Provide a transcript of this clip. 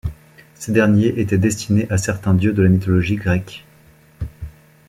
Ces derniers étaient destinés à certains dieux de la mythologie grecque.